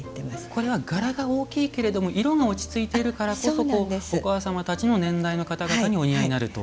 これは柄が大きいけれども色が落ち着いているからこそお母さんたちの年代の方にお似合いになると。